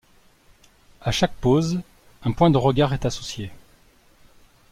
À chaque pose, un point de regard est associé.